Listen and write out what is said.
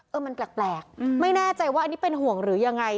เออมันแปลกไม่แน่ใจว่าอันนี้เป็นห่วงหรือยังไง